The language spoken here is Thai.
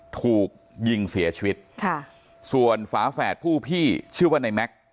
ถูกยิงเสียชีวิตค่ะส่วนฝาแฝดผู้พี่ชื่อว่าในแม็กซ์